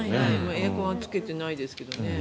エアコンはつけてないですけどね。